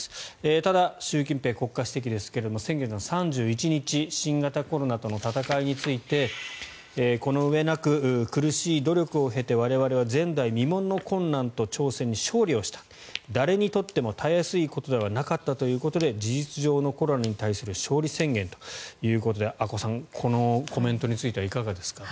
ただ、習近平国家主席ですが先月３１日新型コロナとの闘いについてこの上なく苦しい努力を経て我々は前代未聞の困難と挑戦に勝利をした誰にとっても、たやすいことではなかったということで事実上のコロナに対する勝利宣言ということで阿古さん、このコメントについていかがですか？